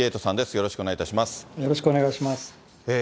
よろしくお願いします。